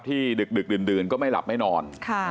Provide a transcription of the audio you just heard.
ดึกดื่นก็ไม่หลับไม่นอน